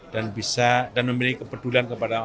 dan memiliki kepedulian kepada